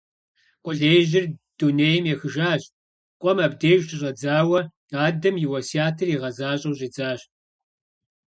Къулеижьыр дунейм ехыжащ, къуэм абдеж щыщӀэдзауэ адэм и уэсятыр игъэзащӀэу щӀидзащ.